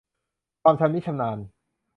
ความชำนิชำนาญ